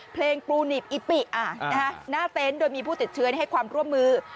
เพลงปูนิบอิปิหน้าเต็นต์โดยมีผู้ติดเชื้อให้ความร่วมมือ